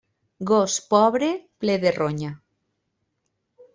Gos pobre, ple de ronya.